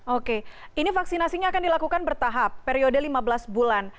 oke ini vaksinasinya akan dilakukan bertahap periode lima belas bulan